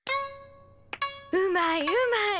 うまいうまい。